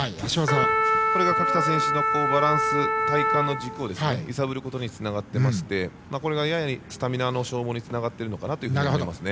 これが垣田選手のバランス体幹の軸を揺さぶることにつながってましてそれがややスタミナの消耗につながっているのかなと。